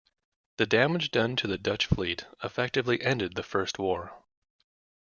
The damage done to the Dutch fleet effectively ended the first war.